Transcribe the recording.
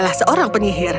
dia adalah penyihir